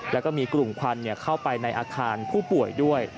แล้วก็มีกลุ่มควันเข้าไปในอาคารผู้ป่วยด้วย